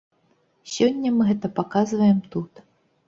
Сёння мы гэта паказваем тут.